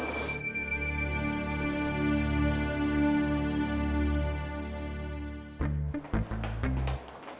yaudah gue coba di pilipin